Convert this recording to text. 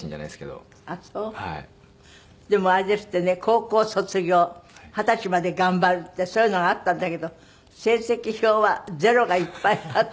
でもあれですってね高校卒業二十歳まで頑張るってそういうのがあったんだけど成績表は「０」がいっぱいあったんだって？